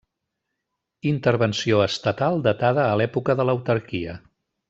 Intervenció estatal datada a l'època de l'autarquia.